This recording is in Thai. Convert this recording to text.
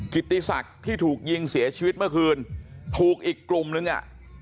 กิติศักดิ์ที่ถูกยิงเสียชีวิตเมื่อคืนถูกอีกกลุ่มนึงอ่ะ